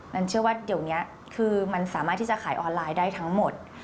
มันเชื่อว่าเดี๋ยวนี้คือมันสามารถที่จะขายออนไลน์ได้ทั้งหมด